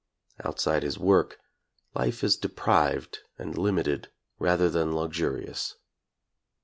Outside his work, life is deprived and limited rather than luxurious.